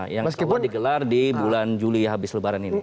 yang kedua digelar di bulan juli habis lebaran ini